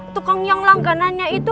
tukang yang langganannya itu